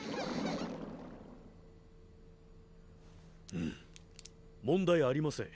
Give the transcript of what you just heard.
うん問題ありません。